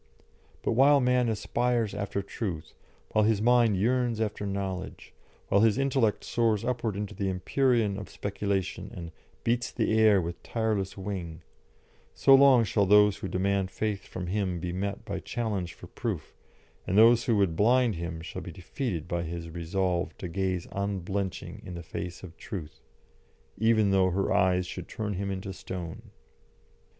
But while man aspires after truth, while his mind yearns after knowledge, while his intellect soars upward into the empyrean of speculation and "beats the air with tireless wing," so long shall those who demand faith from him be met by challenge for proof, and those who would blind him shall be defeated by his resolve to gaze unblenching on the face of Truth, even though her eyes should turn him into stone.